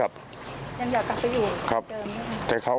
ยังอยากกลับไปอยู่เดิม